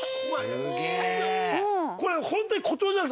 すげえ！